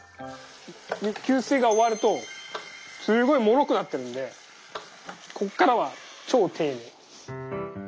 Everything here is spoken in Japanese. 吸水が終わるとすごいもろくなってるんでこっからは超丁寧に。